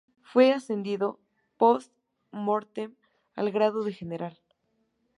Fue ascendido "post mortem" al grado de general.